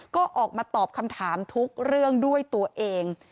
ก็ออกมาตอบคำถามทุกเรื่องด้วยตัวเอง